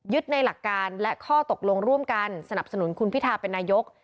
ในหลักการและข้อตกลงร่วมกันสนับสนุนคุณพิทาเป็นนายก